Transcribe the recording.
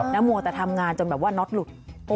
แล้วมัวแต่ทำงานจนน็อตหลุด